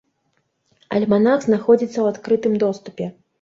Альманах знаходзіцца ў адкрытым доступе.